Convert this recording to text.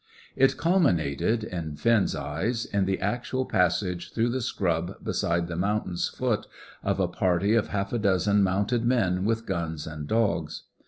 It culminated, in Finn's eyes, in the actual passage through the scrub beside the mountain's foot of a party of half a dozen mounted men with guns and dogs.